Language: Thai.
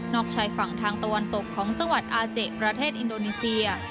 ชายฝั่งทางตะวันตกของจังหวัดอาเจประเทศอินโดนีเซีย